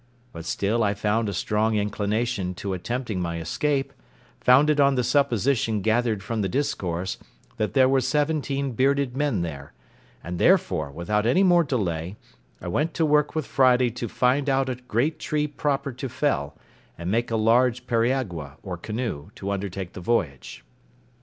But still I found a strong inclination to attempting my escape, founded on the supposition gathered from the discourse, that there were seventeen bearded men there; and therefore, without any more delay, I went to work with Friday to find out a great tree proper to fell, and make a large periagua, or canoe, to undertake the voyage.